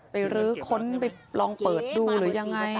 รื้อค้นไปลองเปิดดูหรือยังไง